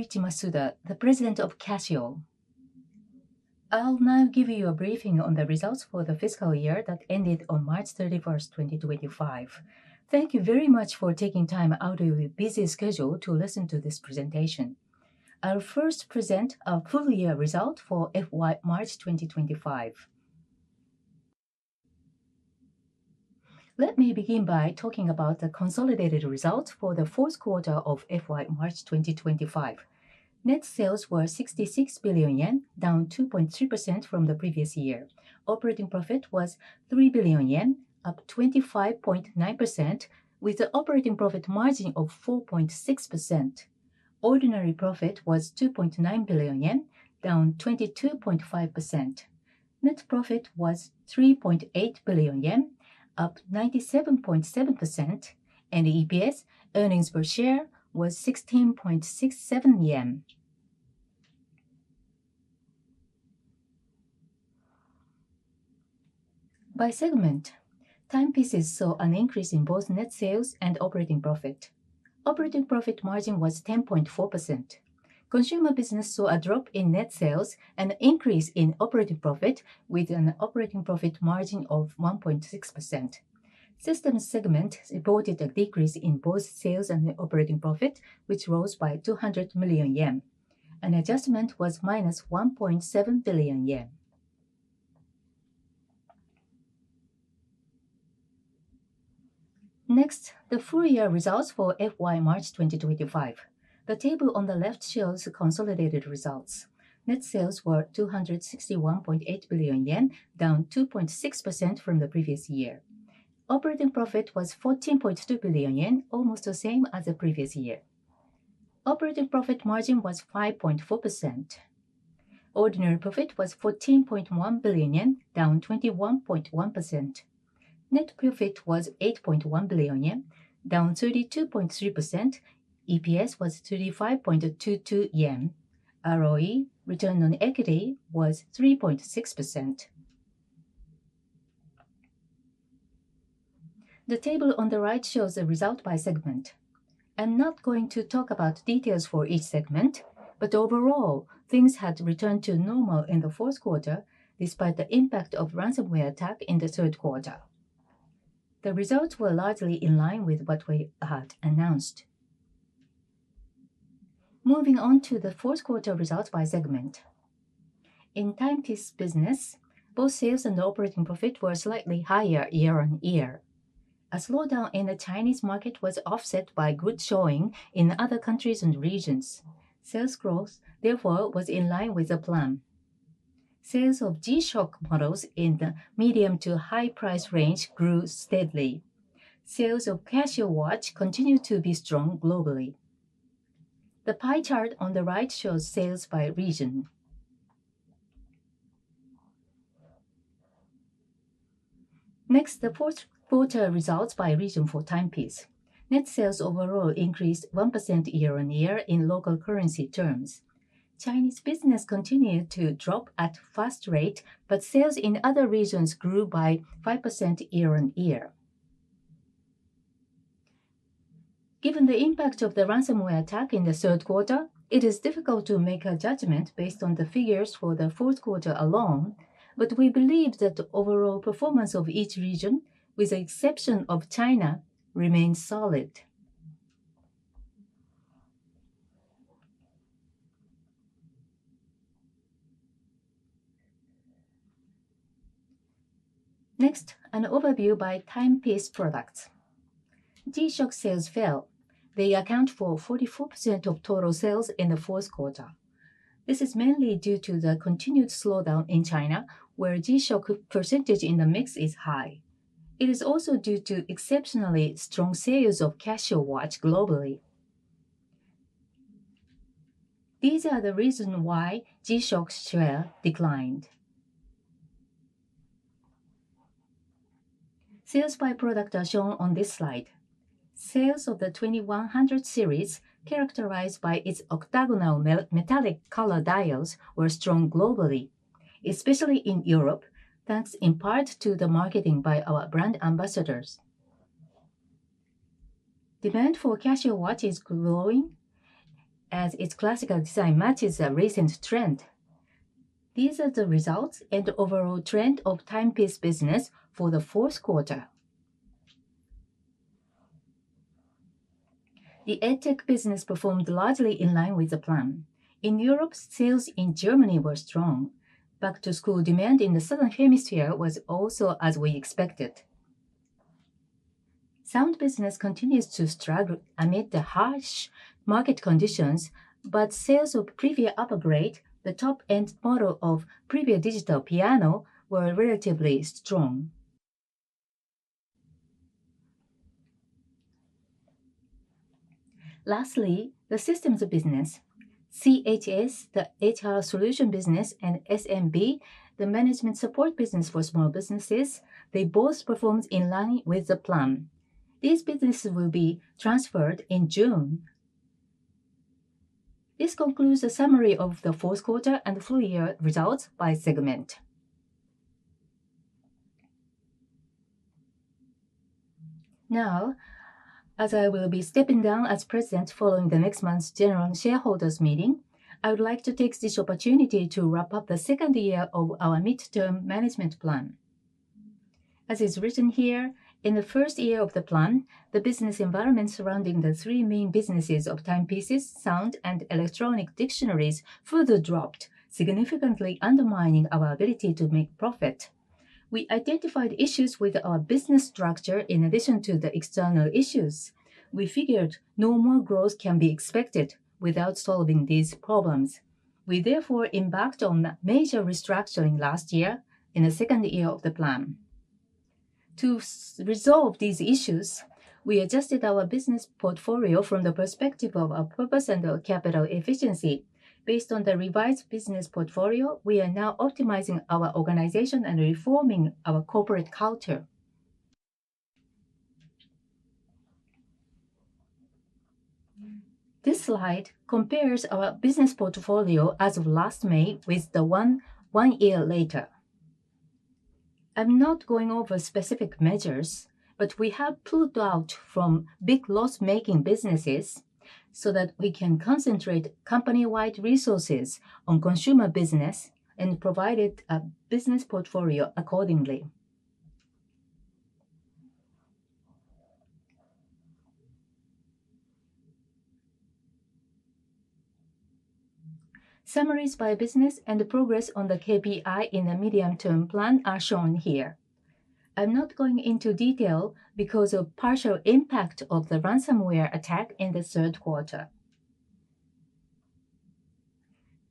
I'm Yuichi Masuda, the President of Casio. I'll now give you a briefing on the results for the fiscal year that ended on March 31st, 2025. Thank you very much for taking time out of your busy schedule to listen to this presentation. I'll first present our full-year result for FY March 2025. Let me begin by talking about the consolidated results for the fourth quarter of FY March 2025. Net sales were 66 billion yen, down 2.3% from the previous year. Operating profit was 3 billion yen, up 25.9%, with the operating profit margin of 4.6%. Ordinary profit was 2.9 billion yen, down 22.5%. Net profit was 3.8 billion yen, up 97.7%, and the EPS, earnings per share, was 16.67 yen. By segment, timepieces saw an increase in both net sales and operating profit. Operating profit margin was 10.4%. Consumer business saw a drop in net sales and an increase in operating profit, with an operating profit margin of 1.6%. System segment reported a decrease in both sales and operating profit, which rose by 200 million yen. An adjustment was -1.7 billion yen. Next, the full-year results for FY March 2025. The table on the left shows consolidated results. Net sales were 261.8 billion yen, down 2.6% from the previous year. Operating profit was 14.2 billion yen, almost the same as the previous year. Operating profit margin was 5.4%. Ordinary profit was 14.1 billion yen, down 21.1%. Net profit was 8.1 billion yen, down 32.3%. EPS was 35.22 yen. ROE, return on equity, was 3.6%. The table on the right shows the result by segment. I'm not going to talk about details for each segment, but overall, things had returned to normal in the fourth quarter, despite the impact of ransomware attack in the third quarter. The results were largely in line with what we had announced. Moving on to the fourth quarter results by segment. In the timepiece business, both sales and operating profit were slightly higher year-on-year. A slowdown in the Chinese market was offset by a good showing in other countries and regions. Sales growth therefore was in line with the plan. Sales of G-Shock models in the medium to high price range grew steadily. Sales of Casio watch continued to be strong globally. The pie chart on the right shows sales by region. Next, the fourth quarter results by region for timepiece. Net sales overall increased 1% year-on-year in local currency terms. Chinese business continued to drop at a fast rate, but sales in other regions grew by 5% year-on-year. Given the impact of the ransomware attack in the third quarter, it is difficult to make a judgment based on the figures for the fourth quarter alone, but we believe that the overall performance of each region, with the exception of China, remains solid. Next, an overview by timepiece products. G-Shock sales fell. They account for 44% of total sales in the fourth quarter. This is mainly due to the continued slowdown in China, where G-Shock percentage in the mix is high. It is also due to exceptionally strong sales of Casio watch globally. These are the reasons why G-Shock's share declined. Sales by product are shown on this slide. Sales of the 2100 series, characterized by its octagonal metallic color dials were strong globally, especially in Europe, thanks in part to the marketing by our brand ambassadors. Demand for Casio watch is growing as its classical design matches a recent trend. These are the results, and the overall trend of timepiece business for the fourth quarter. The EdTech business performed largely in line with the plan. In Europe, sales in Germany were strong. Back-to-school demand in the southern hemisphere was also as we expected. Sound business continues to struggle amid the harsh market conditions, but sales of Privia upgrade, the top-end model of Privia digital piano were relatively strong. Lastly, the systems business, CHS, the HR solution business and SMB, the management support business for small businesses, they both performed in line with the plan. These businesses will be transferred in June. This concludes the summary of the fourth quarter and the full-year results by segment. Now, as I will be stepping down as president following the next month's general shareholders meeting, I would like to take this opportunity to wrap up the second year of our midterm management plan. As is written here, in the first year of the plan, the business environment surrounding the three main businesses of timepieces, sound, and electronic dictionaries further dropped, significantly undermining our ability to make profit. We identified issues with our business structure in addition to the external issues. We figured, no more growth can be expected without solving these problems. We therefore embarked on a major restructuring last year in the second year of the plan. To resolve these issues, we adjusted our business portfolio from the perspective of our purpose and our capital efficiency. Based on the revised business portfolio, we are now optimizing our organization and reforming our corporate culture. This slide compares our business portfolio as of last May with the one, one year later. I'm not going over specific measures, but we have pulled out from big loss-making businesses so that we can concentrate company-wide resources on consumer business and provided a business portfolio accordingly. Summaries by business and progress on the KPI in the medium-term plan are shown here. I'm not going into detail because of the partial impact of the ransomware attack in the third quarter.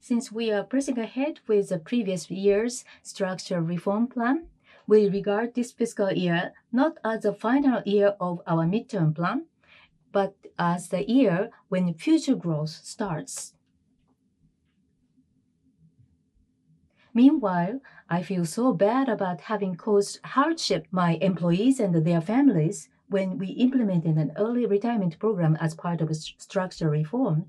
Since we are pressing ahead with the previous year's structure reform plan, we regard this fiscal year not as the final year of our midterm plan, but as the year when future growth starts. Meanwhile, I feel so bad about having caused hardship to my employees and their families when we implemented an early retirement program as part of a structure reform.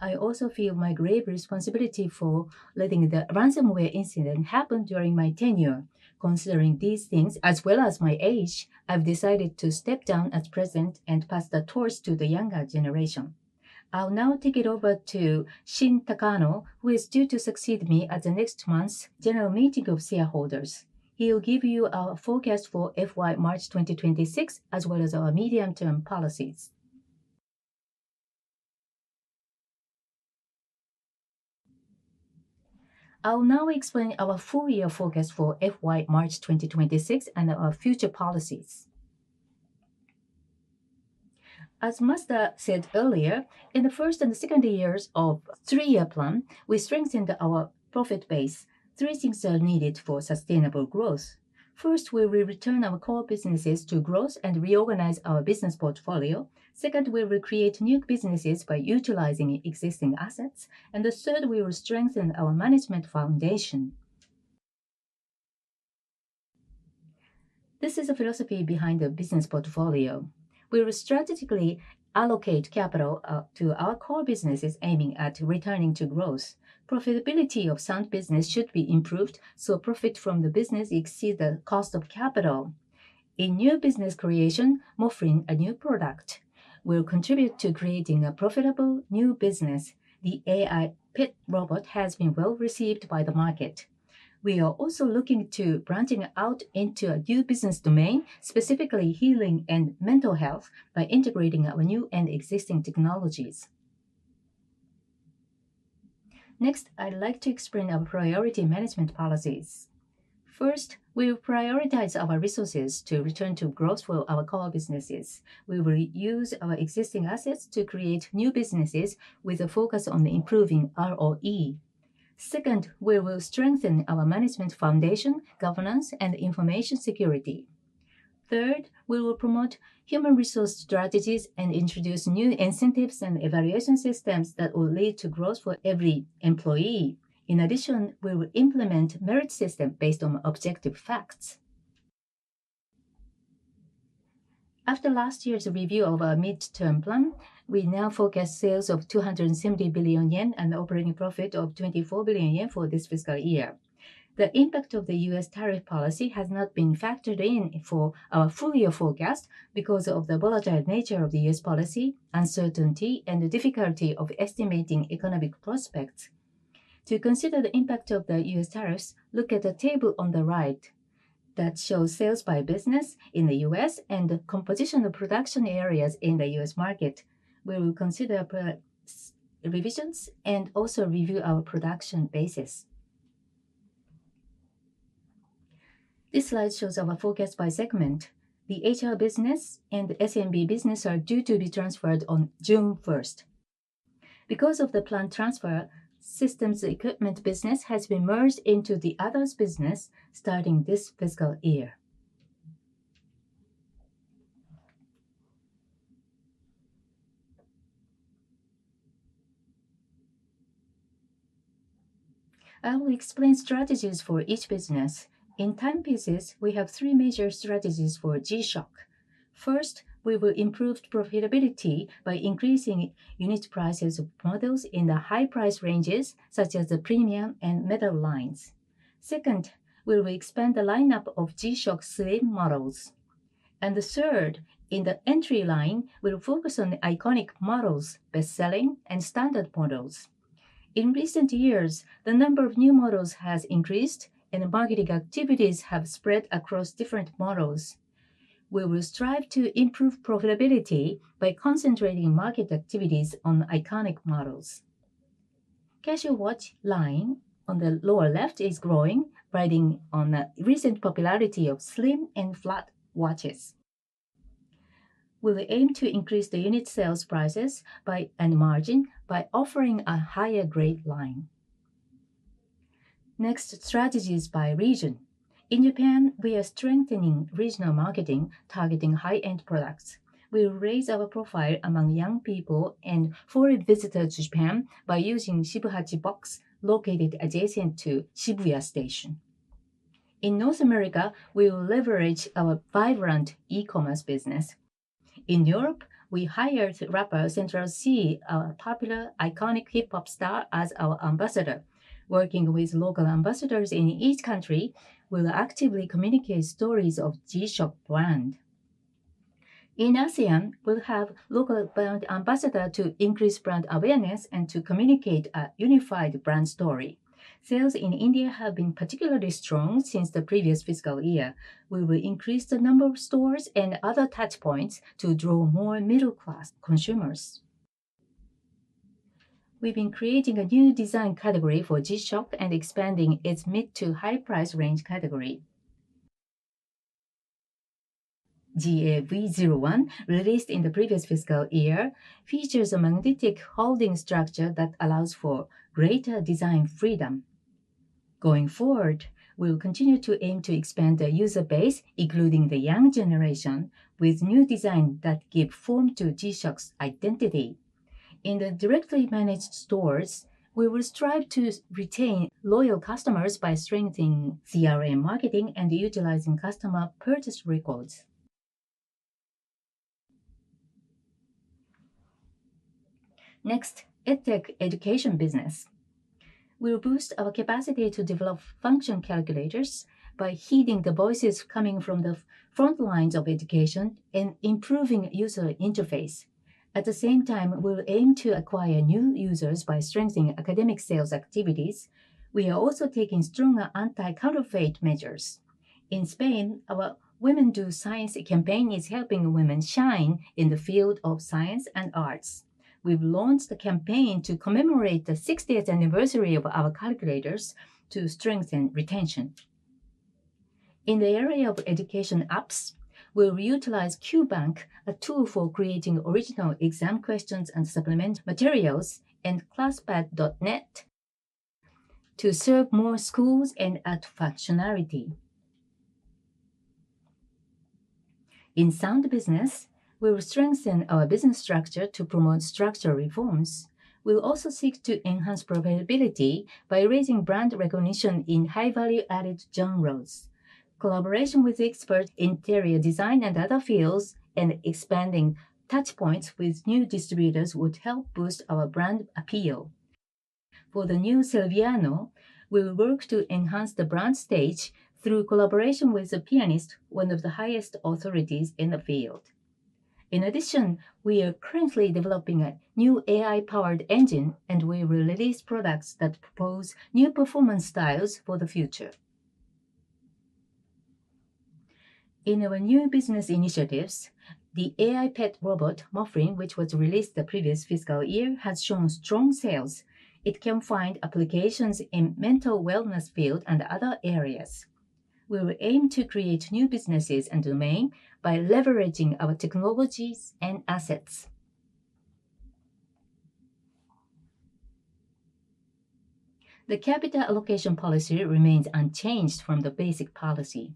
I also feel my grave responsibility for letting the ransomware incident happen during my tenure. Considering these things, as well as my age, I've decided to step down as president and pass the torch to the younger generation. I'll now take it over to Shin Takano, who is due to succeed me at the next month's general meeting of shareholders. He'll give you our forecast for FY March 2026, as well as our medium-term policies. I'll now explain our full-year forecast for FY March 2026 and our future policies. As said earlier, in the first and second years of the three-year plan, we strengthened our profit base. Three things are needed for sustainable growth. First, we will return our core businesses to growth and reorganize our business portfolio. Second, we will create new businesses by utilizing existing assets. The third, we will strengthen our management foundation. This is the philosophy behind the business portfolio. We will strategically allocate capital to our core businesses, aiming at returning to growth. Profitability of sound business should be improved, so profit from the business exceeds the cost of capital. A new business creation, Moflin, a new product, will contribute to creating a profitable new business. The AI pet robot has been well received by the market. We are also looking to branch out into a new business domain, specifically healing and mental health, by integrating our new and existing technologies. Next, I'd like to explain our priority management policies. First, we will prioritize our resources to return to growth for our core businesses. We will use our existing assets to create new businesses, with a focus on improving ROE. Second, we will strengthen our management foundation, governance, and information security. Third, we will promote human resource strategies, and introduce new incentives and evaluation systems that will lead to growth for every employee. In addition, we will implement a merit system based on objective facts. After last year's review of our midterm plan, we now forecast sales of 270 billion yen and the operating profit of 24 billion yen for this fiscal year. The impact of the U.S. tariff policy has not been factored in for our full-year forecast because of the volatile nature of the U.S. policy, uncertainty, and the difficulty of estimating economic prospects. To consider the impact of the U.S. tariffs, look at the table on the right, that shows sales by business in the U.S. and the composition of production areas in the U.S. market. We will consider revisions and also review our production basis. This slide shows our forecast by segment. The HR business and the SMB business are due to be transferred on June 1st, because of the planned transfer, systems equipment business has been merged into the others business starting this fiscal year. I will explain strategies for each business. In timepieces, we have three major strategies for G-Shock. First, we will improve profitability by increasing unit prices of models in the high price ranges, such as the premium and metal lines. Second, we will expand the lineup of G-Shock sleeve models. Third, in the entry line, we will focus on the iconic models, best-selling, and standard models. In recent years, the number of new models has increased, and marketing activities have spread across different models. We will strive to improve profitability by concentrating market activities on iconic models. Casio watch line on the lower left is growing, riding on the recent popularity of slim and flat watches. We will aim to increase the unit sales prices by a margin, by offering a higher-grade line. Next, strategies by region. In Japan, we are strengthening regional marketing, targeting high-end products. We will raise our profile among young people, and foreign visitors to Japan by using Shibuya Box located adjacent to Shibuya Station. In North America, we will leverage our vibrant e-commerce business. In Europe, we hired rapper, Central Cee, our popular iconic hip-hop star, as our ambassador. Working with local ambassadors in each country, we will actively communicate stories of the G-Shock brand. In ASEAN, we'll have local brand ambassadors to increase brand awareness and to communicate a unified brand story. Sales in India have been particularly strong since the previous fiscal year. We will increase the number of stores, and other touch points to draw more middle-class consumers. We've been creating a new design category for G-Shock, and expanding its mid to high-price range category. GA-V01, released in the previous fiscal year, features a magnetic holding structure that allows for greater design freedom. Going forward, we will continue to aim to expand the user base, including the young generation, with new designs that give form to G-Shock's identity. In the directly managed stores, we will strive to retain loyal customers, by strengthening CRM marketing and utilizing customer purchase records. Next, EdTech education business. We will boost our capacity to develop function calculators, by heeding the voices coming from the front lines of education and improving user interface. At the same time, we will aim to acquire new users by strengthening academic sales activities. We are also taking stronger anti-counterfeit measures. In Spain, our Women Do Science campaign is helping women shine in the field of science and arts. We've launched a campaign to commemorate the 60th anniversary of our calculators, to strengthen retention. In the area of education apps, we'll utilize QBank, a tool for creating original exam questions and supplemental materials, and ClassPad.net to serve more schools and add functionality. In sound business, we will strengthen our business structure to promote structural reforms. We'll also seek to enhance profitability by raising brand recognition in high-value-added genres. Collaboration with experts in interior design and other fields and expanding touch points with new distributors, would help boost our brand appeal. For the new Celviano, we will work to enhance the brand stage through collaboration with a pianist, one of the highest authorities in the field. In addition, we are currently developing a new AI-powered engine, and we will release products that propose new performance styles for the future. In our new business initiatives, the AI pet robot, Moflin, which was released the previous fiscal year, has shown strong sales. It can find applications in the mental wellness field and other areas. We will aim to create new businesses and domains, by leveraging our technologies and assets. The capital allocation policy remains unchanged from the basic policy.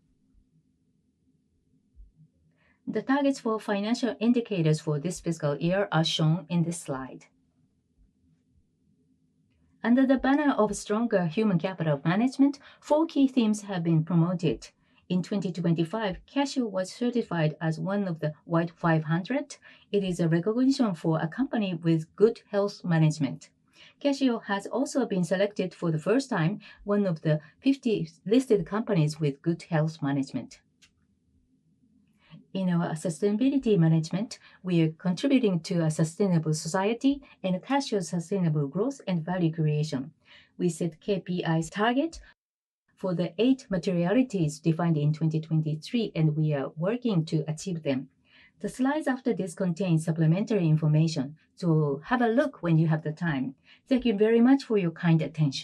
The targets for financial indicators for this fiscal year are shown in this slide. Under the banner of stronger human capital management, four key themes have been promoted. In 2025, Casio was certified as one of the White 500. It is a recognition for a company with good health management. Casio has also been selected for the first time as one of the 50 listed companies with good health management. In our sustainability management, we are contributing to a sustainable society and Casio's sustainable growth, and value creation. We set KPI targets for the eight materialities defined in 2023, and we are working to achieve them. The slides after this contain supplementary information, so have a look when you have the time. Thank you very much for your kind attention.